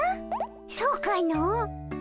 そうかの？